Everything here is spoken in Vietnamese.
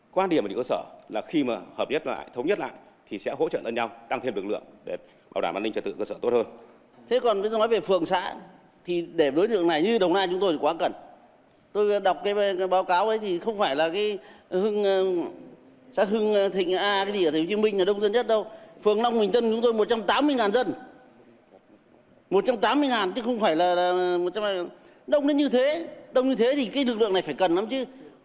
quan điểm của những cơ sở là khi mà hợp nhất lại thống nhất lại thì sẽ hỗ trợ lên nhau